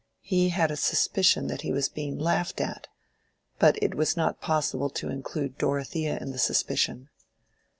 He had a suspicion that he was being laughed at. But it was not possible to include Dorothea in the suspicion.